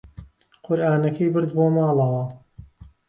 قورئانەکەی برد بۆ ماڵەوە.